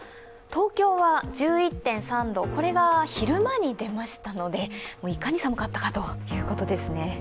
東京は１１．３度、これが昼前に出ましたのでいかに寒かったかということですね。